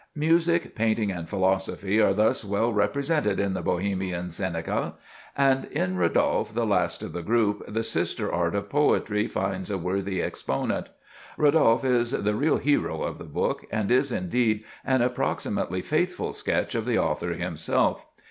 Music, painting, and philosophy are thus well represented in the Bohemian cénacle, and in Rodolphe, the last of the group, the sister art of poetry finds a worthy exponent. Rodolphe is the real hero of the book, and is indeed an approximately faithful sketch of the author himself.